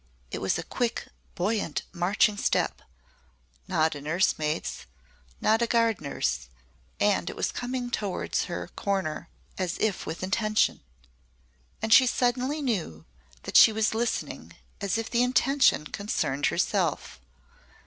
It was a quick, buoyant marching step not a nursemaid's, not a gardener's, and it was coming towards her corner as if with intention and she suddenly knew that she was listening as if the intention concerned herself.